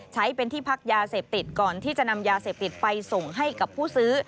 ใช้เป็นที่พักยาเสพติดก่อนที่จะนำยาเสพติดไปส่งให้กับผู้ซื้อ